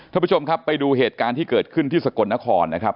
ท่านผู้ชมครับไปดูเหตุการณ์ที่เกิดขึ้นที่สกลนครนะครับ